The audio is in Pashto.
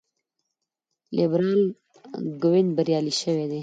لیبرال ګوند بریالی شوی دی.